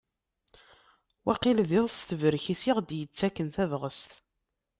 Wakil d iḍ s tebrek-is i aɣ-d-yettakken tabɣest?